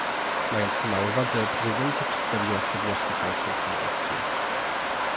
Mając to na uwadze, prezydencja przedstawiła swe wnioski państwom członkowskim